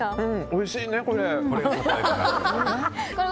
おいしいね、これ。